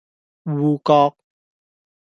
芋角